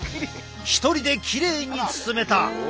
一人できれいに包めた！